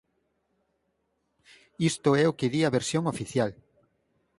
Isto é o que di a versión oficial.